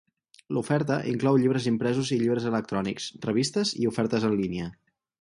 L'oferta inclou llibres impresos i llibres electrònics, revistes i ofertes en línia.